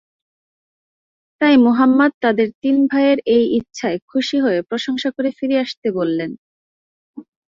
তাই মুহাম্মাদ তাদের তিন ভাইয়ের এই ইচ্ছায় খুশি হয়ে প্রশংসা করে ফিরে আসতে বললেন।